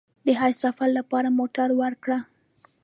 د حج سفر لپاره موټر ورکړ.